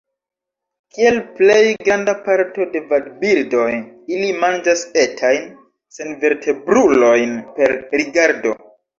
Kiel plej granda parto de vadbirdoj, ili manĝas etajn senvertebrulojn per rigardo.